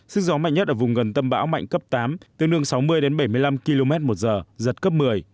sức gió mạnh nhất ở vùng gần tâm bão mạnh cấp tám tương đương sáu mươi đến bảy mươi năm km một giờ giật cấp một mươi